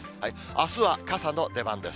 あすは傘の出番です。